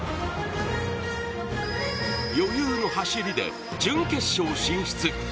余裕の走りで準決勝進出。